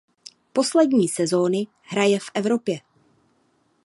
Poslední sezony hraje v Evropě.